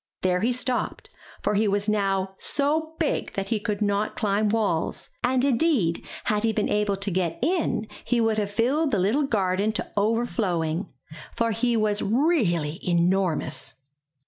There he stopped, for he was now so big that he could not climb walls, and indeed, had he been able to get in, he would have filled the little garden to overflowing, for he was 208 I N THE NURSERY really enormous.